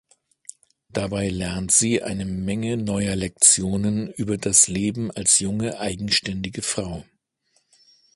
Dabei lernt sie eine Menge neuer Lektionen über das Leben als junge, eigenständige Frau.